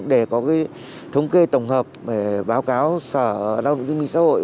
để có cái thống kê tổng hợp báo cáo sở đạo đồng thông minh xã hội